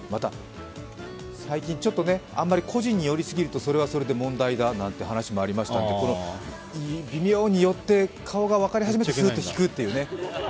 最近ちょっと、あんまり個人に寄りすぎるとそれはそれで問題がなんてありましたけど微妙に寄って、顔が分かり始めてすーっと引くというね。